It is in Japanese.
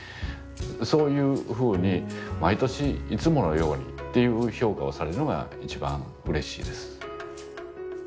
そういうふうに毎年「いつものように」っていう評価をされるのが一番うれしいです。